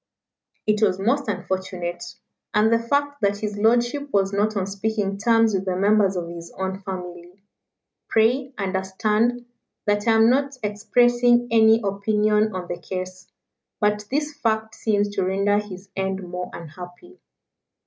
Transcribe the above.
"It was most unfortunate. And the fact that his lordship was not on speaking terms with the members of his own family pray understand that I am not expressing any opinion on the case but this fact seems to render his end more unhappy."